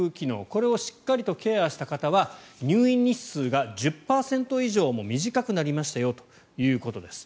これをしっかりとケアした方は入院日数が１０％以上も短くなりましたよということです。